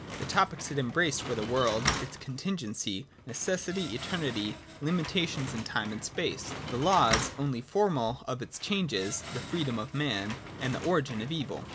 The topics it embraced were the world, its contingency, necessity, eternity, limitation in time and space : the laws (only formal) of its changes : the freedom of man and the origin of evil.